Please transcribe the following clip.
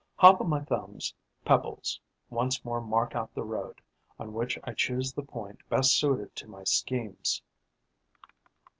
Hop o' my Thumb's pebbles once more mark out the road, on which I choose the point best suited to my schemes.